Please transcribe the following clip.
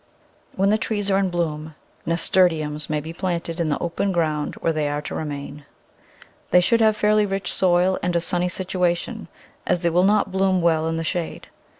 When the trees are in bloom Nasturtiums may be planted in the open ground where they are to remain. They should have fairly rich soil and a sunny situation, as they will not bloom well in the shade.